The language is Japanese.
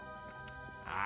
あ。